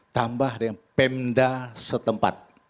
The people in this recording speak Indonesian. tambah dengan pemda setempat